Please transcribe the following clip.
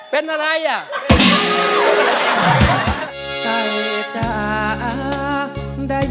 เป็นอะไร